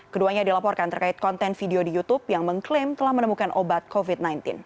keduanya dilaporkan terkait konten video di youtube yang mengklaim telah menemukan obat covid sembilan belas